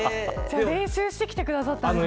練習してきてくださったんですね。